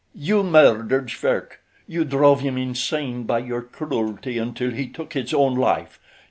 You murdered Schwerke you drove him insane by your cruelty until he took his own life.